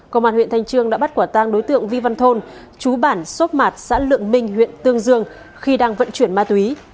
công an huyện thanh trương đã bắt quả tang đối tượng vi văn thôn chú bản sốp mạc xã lượng minh huyện tương dương khi đang vận chuyển ma túy